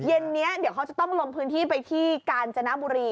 เย็นนี้เดี๋ยวเขาจะต้องลงพื้นที่ไปที่กาญจนบุรี